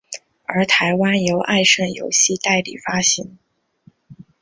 而台湾由爱胜游戏代理发行。